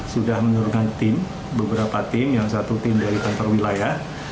sudah menurunkan tim beberapa tim yang satu tim dari kantor wilayah